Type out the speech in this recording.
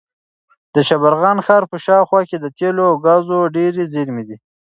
د شبرغان ښار په شاوخوا کې د تېلو او ګازو ډېرې زېرمې دي.